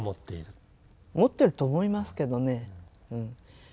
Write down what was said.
持ってると思いますけどね。